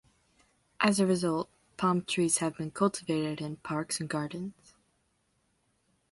As a result, palm trees have been cultivated in parks and gardens.